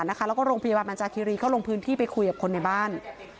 แล้วก็โรงพยาบาลบรรจาคิรีเข้าลงพื้นที่ไปคุยกับคนในบ้าน